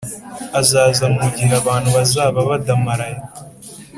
Azaza mu gihe abantu bazaba badamaraye